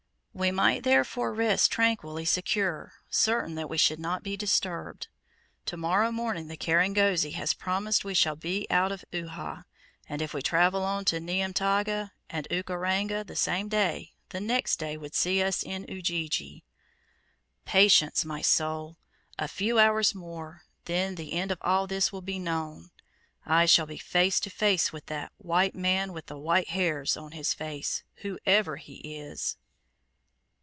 We might therefore rest tranquilly secure, certain that we should not be disturbed. To morrow morning the kirangozi has promised we shall be out of Uhha, and if we travel on to Niamtaga, in Ukaranga, the same day, the next day would see us in Ujiji. Patience, my soul! A few hours more, then the end of all this will be known! I shall be face to face with that "white man with the white hairs on his face, whoever he is!"